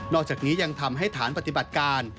อกจากนี้ยังทำให้ฐานปฏิบัติการ